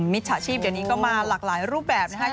มิจฉาชีพเดี๋ยวนี้ก็มาหลากหลายรูปแบบนะครับ